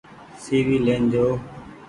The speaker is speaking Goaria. سي وي لين جو۔